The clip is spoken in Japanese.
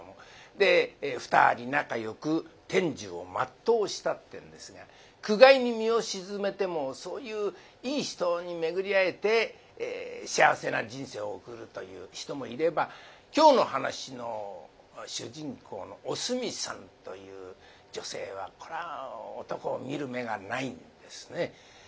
で２人仲よく天寿を全うしたってんですが苦界に身を沈めてもそういういい人に巡り会えて幸せな人生を送るという人もいれば今日の噺の主人公のおすみさんという女性はこれは男を見る目がないんですね。